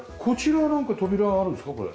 こちらはなんか扉があるんですか？